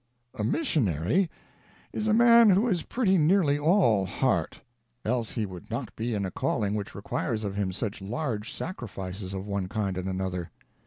A missionary is a man who is pretty nearly all heart, else he would not be in a calling which requires of him such large sacri fices of one kind and another.